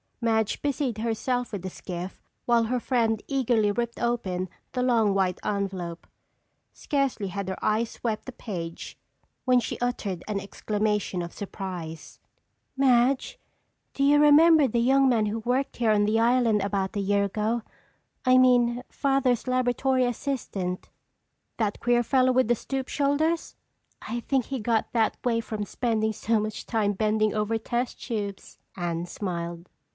Madge busied herself with the skiff while her friend eagerly ripped open the long white envelope. Scarcely had her eyes swept the page when she uttered an exclamation of surprise. "Madge, do you remember the young man who worked here on the island about a year ago? I mean Father's laboratory assistant." "That queer fellow with the stoop shoulders?" "I think he got that way from spending so much time bending over test tubes," Anne smiled.